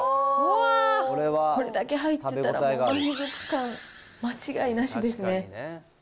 うわー、これだけ入ってたら、もう満足感間違いなしですね。